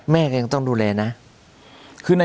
แม่ก็ยังต้องดูแลนะ